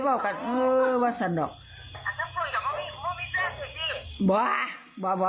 บ่าบ่าบ่า